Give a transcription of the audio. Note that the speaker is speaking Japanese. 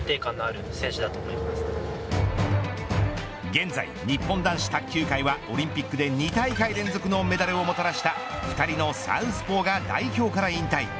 現在、日本男子卓球界はオリンピックで２大会連続のメダルをもたらした２人のサウスポーが代表から引退。